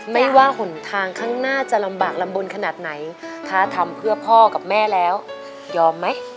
ไม่ว่าหนทางข้างหน้าจะลำบากลำบลขนาดไหนถ้าทำเพื่อพ่อกับแม่แล้วยอมไหม